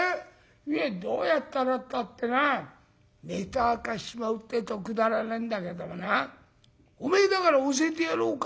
いえどうやったらったってなネタ明かしちまうってえとくだらねえんだけどもなおめえだから教えてやろうか」。